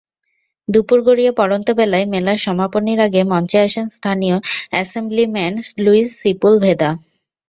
দুপুর গড়িয়ে পড়ন্তবেলায় মেলার সমাপনীর আগে মঞ্চে আসেন স্থানীয় অ্যাসেমব্লিম্যান লুইস সিপুলভেদা।